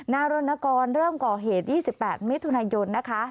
รณกรเริ่มก่อเหตุ๒๘มิถุนายนนะคะ